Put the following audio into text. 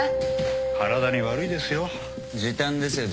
体に悪いですよ。